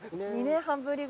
２年半ぶり？